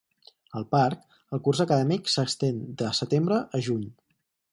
Al parc, el curs acadèmic s'estén de setembre a juny.